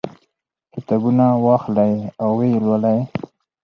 کتابونه واخلئ او ویې لولئ.